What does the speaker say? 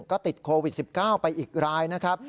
ก็ติดโควิด๑๙ไปอีกรายนะครับ